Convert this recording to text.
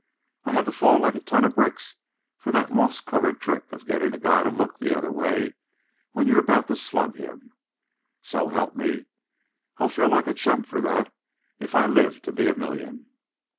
I had to fall like a ton of brick for that moss covered trick of getting a guy to look the other way when you're about to slug him. So help me! I'll feel like a chump for that if I live to be a million."